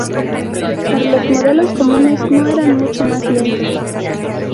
Pero los modelos comunes no eran mucho más lentos.